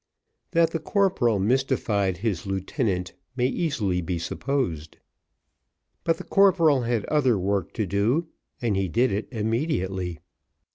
That the corporal mystified his lieutenant, may easily be supposed; but the corporal had other work to do, and he did it immediately.